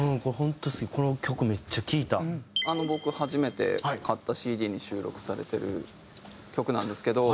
僕初めて買ったＣＤに収録されてる曲なんですけど。